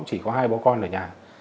chỉ có hai bố con ở nhà